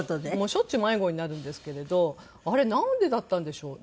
しょっちゅう迷子になるんですけれどあれなんでだったんでしょう？